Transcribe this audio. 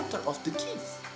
dia membeli kisahnya